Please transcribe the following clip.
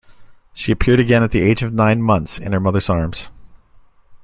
She appeared again at the age of nine months in her mother's arms.